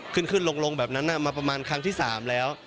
ขึ้นขึ้นลงแบบนั้นมาประมาณครั้งที่๓แล้ว